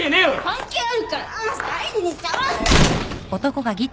関係あるから愛梨に触んな！